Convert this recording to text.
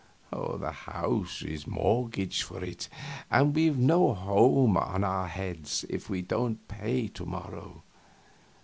The house is mortgaged for it, and we've no home for our heads if we don't pay to morrow.